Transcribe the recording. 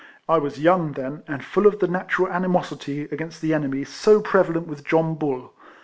I was young then, and full of the natural ani mosity against the enemy so prevalent with John Bull.